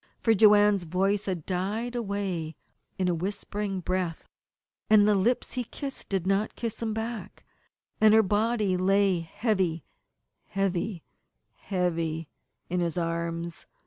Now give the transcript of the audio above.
For Joanne's voice had died away in a whispering breath, and the lips he kissed did not kiss him back, and her body lay heavy, heavy, heavy in his arms.